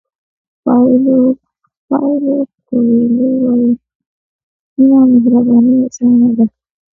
پایلو کویلو وایي مینه او مهرباني اسانه ده.